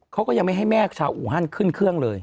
เขาก็ยังไม่ให้แม่ชาวอูฮันขึ้นเครื่องเลย